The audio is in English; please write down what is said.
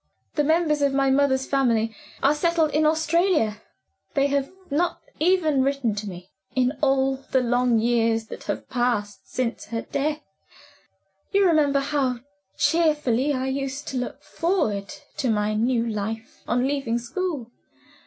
The members of my mother's family are settled in Australia: they have not even written to me, in all the long years that have passed since her death. You remember how cheerfully I used to look forward to my new life, on leaving school?